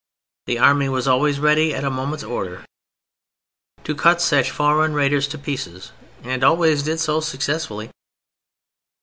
The army was always ready at a moment's order to cut such foreign raiders to pieces—and always did so successfully.